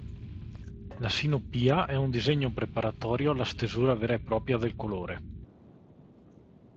La sinopia è un disegno preparatorio alla stesura vera e propria del colore.